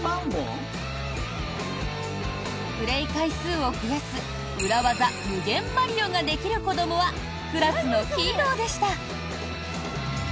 プレー回数を増やす裏技無限マリオができる子どもはクラスのヒーローでした。